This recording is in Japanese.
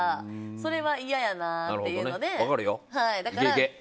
それは嫌やなっていうので。